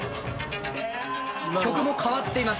曲も変わっています。